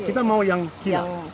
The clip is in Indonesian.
kita mau yang kira